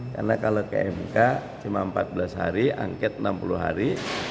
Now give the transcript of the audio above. karena kalau ke mk cuma empat belas hari angket enam puluh hari